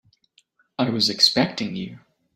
I was expecting you.